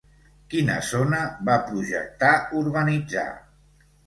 Quina zona va projectar urbanitzar?